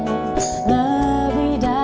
lebih dari dia